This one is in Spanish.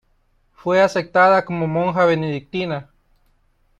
Fue aceptada como monja benedictina.